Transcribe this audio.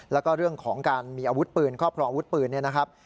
แล้วก็เรื่องของการมีอาวุธปืนครอบครองอาวุธปืนเนี่ยนะครับ